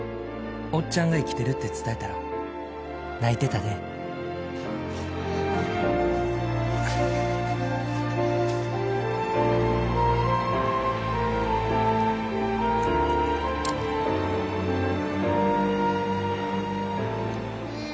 「おっちゃんが生きてるって伝えたら泣いてたで」ねえ